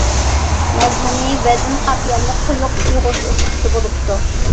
مەزمۇنى، ۋەزىن، قاپىيەلىرى قويۇق ئۇيغۇرچە ئۇسلۇبتا بولۇپتۇ.